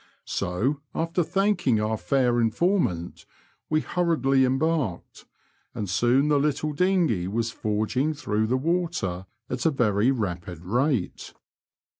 So after thanking our fair informant, we hurriedly embarked, and soon the little dinghey was forging through the water at a very rapid rate.